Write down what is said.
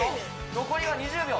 残りは２０秒。